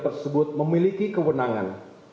tersebut memiliki kewenangan